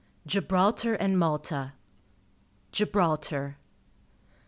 GIBRALTAR AND MALTA /t<*^o Gibraltar.